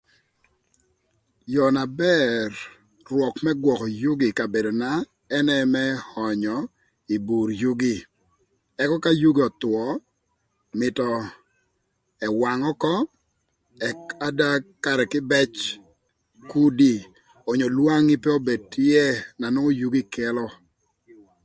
Yoo na bër rwök më gwökö yugi ï kabedona ënë më önyö ï bur yugi ëka ka yugi öthwö mïtö ëwang ökö ëk ada karë kïbëc kudi onyo lwangi pe obed tye na nwongo yugi kelo.